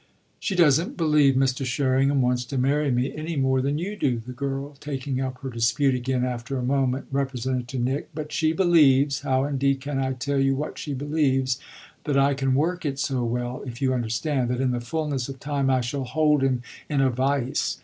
"She doesn't believe Mr. Sherringham wants to marry me any more than you do," the girl, taking up her dispute again after a moment, represented to Nick; "but she believes how indeed can I tell you what she believes? that I can work it so well, if you understand, that in the fulness of time I shall hold him in a vice.